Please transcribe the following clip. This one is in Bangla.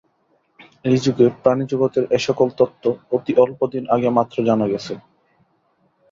এ-যুগে প্রাণিজগতের এ-সকল তত্ত্ব অতি অল্পদিন আগে মাত্র জানা গেছে।